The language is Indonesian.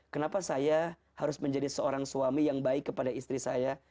kenapa saya harus menjadi seorang suami yang baik kepada istri saya